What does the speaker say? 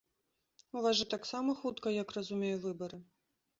У вас жа таксама хутка, як разумею, выбары.